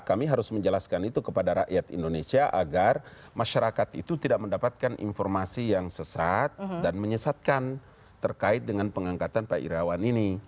kami harus menjelaskan itu kepada rakyat indonesia agar masyarakat itu tidak mendapatkan informasi yang sesat dan menyesatkan terkait dengan pengangkatan pak irawan ini